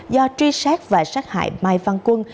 do truy sát và sát hại mai văn quân